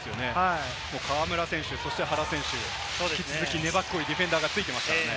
河村選手、原選手、粘っこいディフェンダーがついていますからね。